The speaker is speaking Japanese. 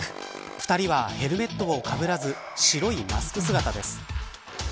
２人はヘルメットをかぶらず白いマスク姿です。